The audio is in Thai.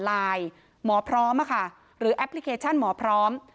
บริการนัดหมายผ่านไลน์หมอพร้อมหรือแอปพลิเคชันหมอพร้อม